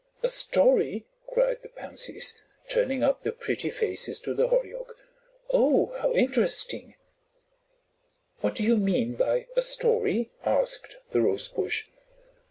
"A story!" cried the Pansies, turning up their pretty faces to the Hollyhock. "Oh, how interesting." "What do you mean by a story?" asked the Rosebush.